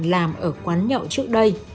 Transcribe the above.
làm ở quán nhậu trước đây